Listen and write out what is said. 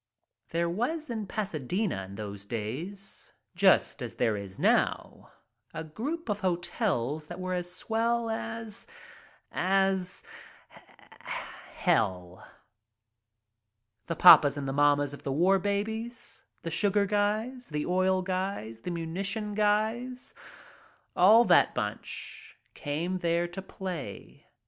There was in Pasadena in those days just as there is now a group of hotels that were as swell as — as — Hell, The papas and mammas of ttie War Babies — the sugar guys — the oil guys — the munition guys — all that bunch, came there to play.